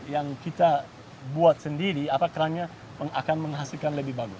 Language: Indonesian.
yang kita buat sendiri kerangnya akan menghasilkan lebih bagus